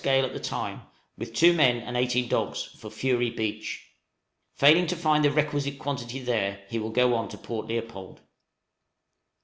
gale at the time, with two men and eighteen dogs, for Fury Beach; failing to find the requisite quantity there, he will go on to Port Leopold.